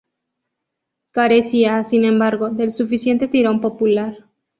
Carecía, sin embargo, del suficiente tirón popular.